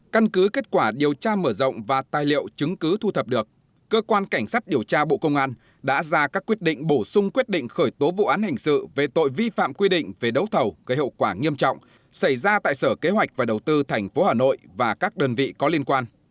căn cứ kết quả điều tra mở rộng và tài liệu chứng cứ thu thập được cơ quan cảnh sát điều tra bộ công an đã ra các quyết định bổ sung quyết định khởi tố vụ án hình sự về tội vi phạm quy định về đấu thầu gây hậu quả nghiêm trọng xảy ra tại sở kế hoạch và đầu tư tp hà nội và các đơn vị có liên quan